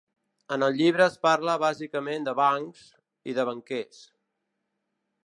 En el llibre es parla bàsicament de bancs, i de banquers.